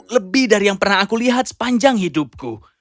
lebih dari yang pernah aku lihat sepanjang hidupku